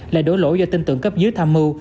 lại đổ lỗi do tin tượng cấp dứa tham mưu